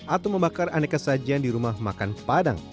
atau membakar aneka sajian di rumah makan padang